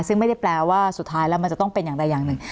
ซึ่งไม่ได้แปลว่าสุดท้ายแล้วมันจะต้องเป็นอย่างใดอย่างหนึ่ง